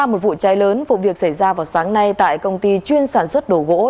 một vụ cháy lớn vụ việc xảy ra vào sáng nay tại công ty chuyên sản xuất đồ gỗ